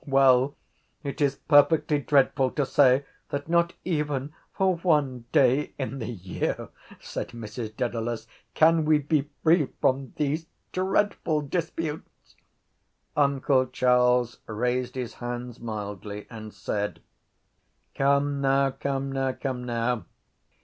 —Well, it is perfectly dreadful to say that not even for one day in the year, said Mrs Dedalus, can we be free from these dreadful disputes! Uncle Charles raised his hands mildly and said: —Come now, come now, come now!